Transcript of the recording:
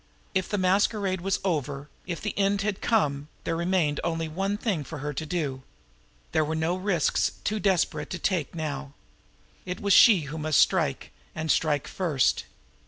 If the masquerade was over, if the end had come, there remained only one thing for her to do. There were no risks too desperate to take now. It was she who must strike, and strike first.